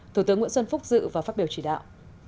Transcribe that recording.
thủ tướng nguyễn xuân phúc dự và phát biểu chỉ đạo